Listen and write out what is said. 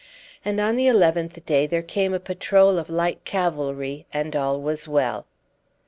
And on the eleventh day there came a patrol of light cavalry, and all was well."